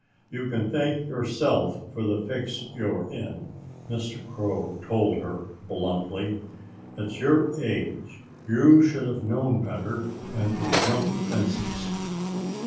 "You can thank yourself for the fix you're in," Mr. Crow told her bluntly. "At your age you should have known better than to jump fences."